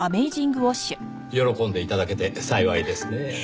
喜んで頂けて幸いですねぇ。